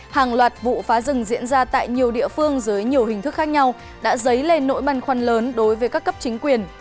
hàng loạt vụ phá rừng diễn ra tại nhiều địa phương dưới nhiều hình thức khác nhau đã dấy lên nỗi băn khoăn lớn đối với các cấp chính quyền